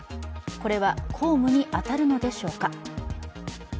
これは公務に当たるのでしょうか。